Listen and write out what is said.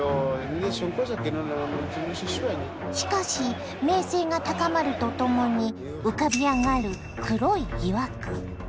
しかし名声が高まるとともに浮かび上がる黒い疑惑。